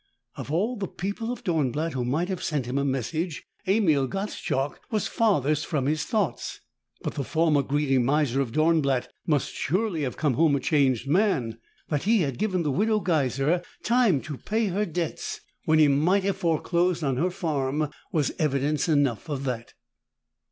Of all the people of Dornblatt who might have sent him a message, Emil Gottschalk was farthest from his thoughts. But the former greedy miser of Dornblatt must surely have come home a changed man. That he had given the Widow Geiser time to pay her debts when he might have foreclosed on her farm was evidence enough of that.